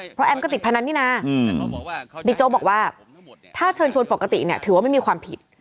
เพราะแอมก็ติดพนันนี่นะบิ๊กโจ๊กบอกว่าถ้าเชิญชวนปกติเนี่ยถือว่าไม่มีความผิด